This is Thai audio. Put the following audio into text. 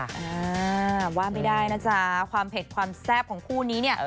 อ่าว่าไม่ได้นะจ๊ะความเผ็ดความแซ่บของคู่นี้เนี่ย